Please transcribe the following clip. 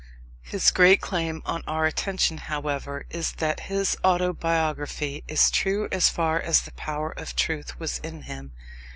His great claim on our attention, however, is that his autobiography is true as far as the power of truth was in him.